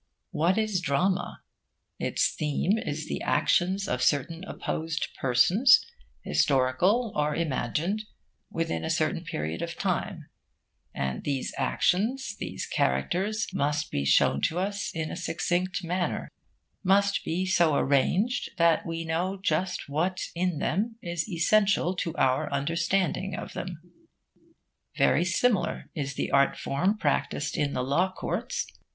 What is drama? Its theme is the actions of certain opposed persons, historical or imagined, within a certain period of time; and these actions, these characters, must be shown to us in a succinct manner, must be so arranged that we know just what in them is essential to our understanding of them. Very similar is the art form practised in the law courts.